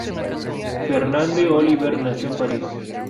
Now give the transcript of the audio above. Fernande Olivier nació en París.